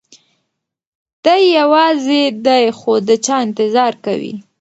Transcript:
دی یوازې دی خو د چا انتظار کوي.